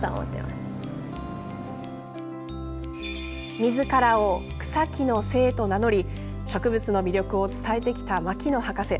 みずからを草木の精と名乗り植物の魅力を伝えてきた牧野博士。